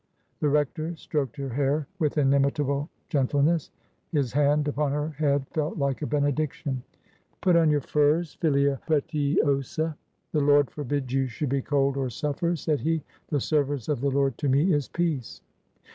The rector stroked her hair with inimitable gentleness. His hand upon her head felt like a benediction. *' Put on your i\irs, filia pretiosa. The Lord forbid you should be cold or suffer," said he. " The service of the Lord to me is peace."